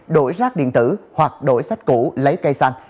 đổi rác điện tử hoặc đổi sách cũ lấy cây xanh